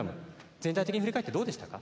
全体的に振り返ってどうでしたか？